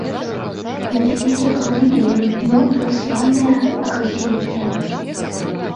На вялікіх глыбінях дно засланае глеем.